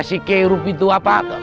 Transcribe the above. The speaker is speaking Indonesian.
si kerup itu apa